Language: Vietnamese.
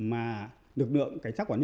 mà lực lượng cảnh sát quản lý